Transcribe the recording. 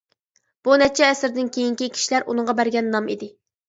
بۇ نەچچە ئەسىردىن كېيىنكى كىشىلەر ئۇنىڭغا بەرگەن نام ئىدى.